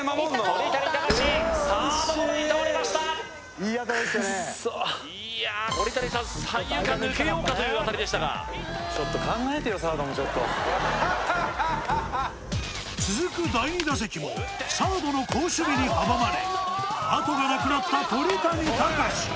鳥谷敬サードゴロに倒れましたいや鳥谷さん三遊間抜けようかという当たりでしたがちょっと・ハハハ続く第２打席もサードの好守備に阻まれあとがなくなった鳥谷敬